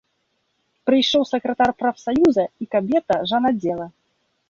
Прыйшоў сакратар прафсаюза і кабета жанаддзела.